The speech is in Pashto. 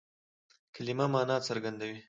کلیمه مانا څرګندوي.